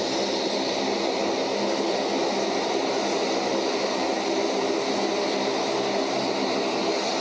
เดี๋ยวคำสั่งเป็นว่าเครื่องบินสะดวก